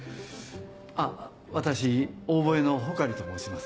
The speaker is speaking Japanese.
あっ私オーボエの穂刈と申します。